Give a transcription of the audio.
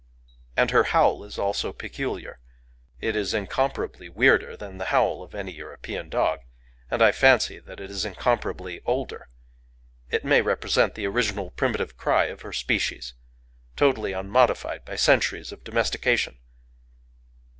And her howl is also peculiar. It is incomparably weirder than the howl of any European dog; and I fancy that it is incomparably older. It may represent the original primitive cry of her species,—totally unmodified by centuries of domestication.